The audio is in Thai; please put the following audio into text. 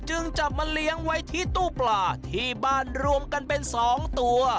จึงจับมาเลี้ยงไว้ที่ตู้ปลาที่บ้านรวมกันเป็น๒ตัว